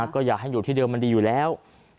ก็อยากให้อยู่ที่เดิมมันดีอยู่แล้ว